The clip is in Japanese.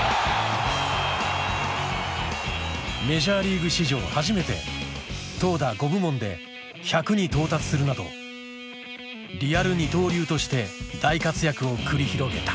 メジャーリーグ史上初めて投打５部門で「１００」に到達するなどリアル二刀流として大活躍を繰り広げた。